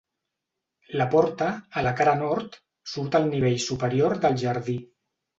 La porta, a la cara nord, surt al nivell superior del jardí.